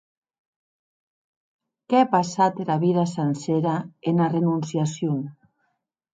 Qu’è passat era vida sancera ena renonciacion!